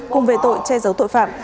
cùng về tội che giấu tội phạm